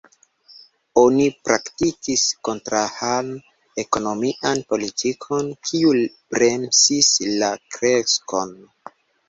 Oni praktikis kontrahan ekonomian politikon, kiu bremsis la kreskon.